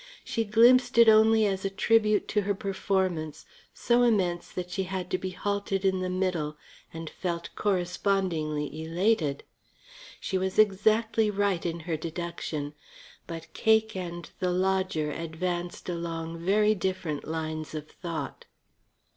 She glimpsed it only as a tribute to her performance, so immense that she had to be halted in the middle, and felt correspondingly elated. She was exactly right in her deduction. But Cake and the lodger advanced along very different lines of thought.